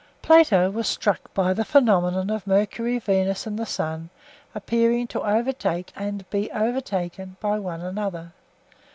Plato was struck by the phenomenon of Mercury, Venus, and the Sun appearing to overtake and be overtaken by one another.